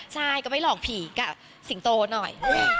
ใช่ก็ไปหลอกผีกับสิงโตหน่อย